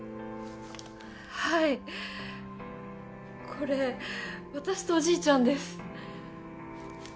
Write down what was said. これ私とおじいちゃんです！